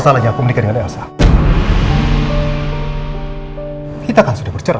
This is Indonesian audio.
salahnya aku menikah dengan aliasa kita kan sudah bercerai